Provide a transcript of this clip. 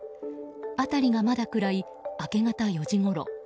辺りがまだ暗い、明け方４時ごろ。